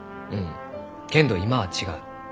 けんど今は違う。